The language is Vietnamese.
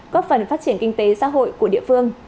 góp phần phát triển kinh tế xã hội của địa phương